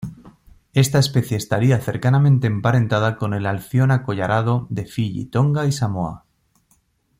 Esta especie estaría cercanamente emparentada con el alción acollarado de Fiyi, Tonga y Samoa.